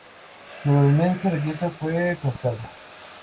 Su inmensa riqueza fue confiscada.